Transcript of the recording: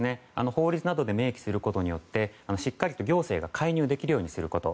法律などで明記することによってしっかりと行政が介入できるようにすること。